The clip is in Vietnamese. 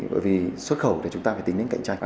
bởi vì xuất khẩu thì chúng ta phải tính đến cạnh tranh